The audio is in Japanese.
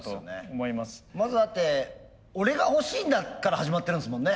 まずだって「俺が欲しいんだ」から始まってるんですもんね。